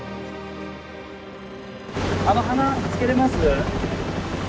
あの鼻つけれます？